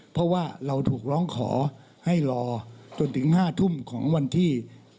เพราะว่าเราถูกร้องขอให้รอจนถึง๕ทุ่มของวันที่